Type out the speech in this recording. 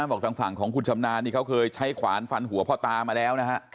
บอกทางฝั่งของคุณชำนาญนี่เขาเคยใช้ขวานฟันหัวพ่อตามาแล้วนะฮะ